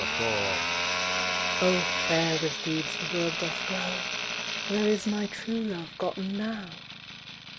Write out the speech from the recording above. THE KING'S DAUGHTER O fair with deeds the world doth grow! Where is my true love gotten now?